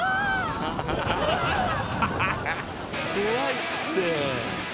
怖いって。